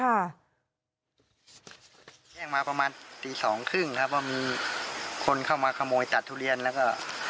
แจ้งมาประมาณตีสองครึ่งครับว่ามีคนเข้ามาขโมยตัดทุเรียนแล้วก็